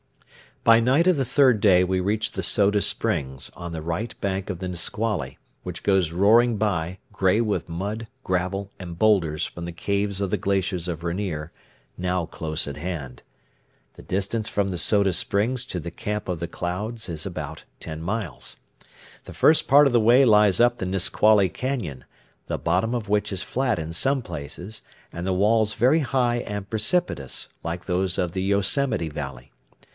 By night of the third day we reached the Soda Springs on the right bank of the Nisqually, which goes roaring by, gray with mud, gravel, and boulders from the caves of the glaciers of Rainier, now close at hand. The distance from the Soda Springs to the Camp of the Clouds is about ten miles. The first part of the way lies up the Nisqually Cañon, the bottom of which is flat in some places and the walls very high and precipitous, like those of the Yosemite Valley.